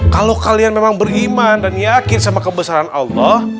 kalau kalian memang beriman dan yakin sama kebesaran allah